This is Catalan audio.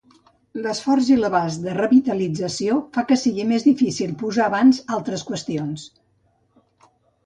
L'esforç i l'abast de revitalització fa que sigui més difícil posar abans altres qüestions.